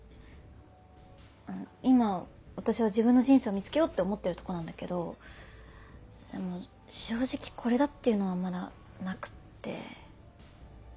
今私は自分の人生を見つけようって思ってるとこなんだけどでも正直これだっていうのはまだなくって。